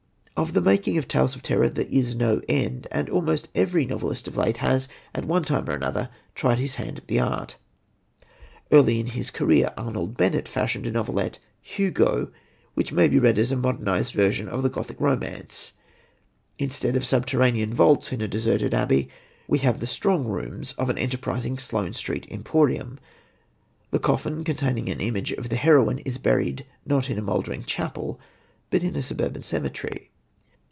Of the making of tales of terror there is no end; and almost every novelist of note has, at one time or another, tried his hand at the art. Early in his career Arnold Bennett fashioned a novelette, Hugo, which may be read as a modernised version of the Gothic romance. Instead of subterranean vaults in a deserted abbey, we have the strong rooms of an enterprising Sloane Street emporium. The coffin, containing an image of the heroine, is buried not in a mouldering chapel, but in a suburban cemetery.